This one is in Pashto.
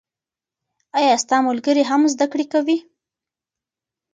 آیا ستا ملګري هم زده کړې کوي؟